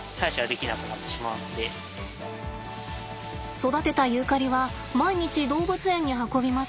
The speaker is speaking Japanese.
育てたユーカリは毎日動物園に運びます。